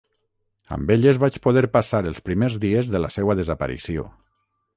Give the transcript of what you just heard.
Amb elles vaig poder passar els primers dies de la seua desaparició.